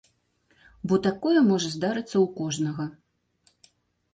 Бо такое можа здарыцца ў кожнага.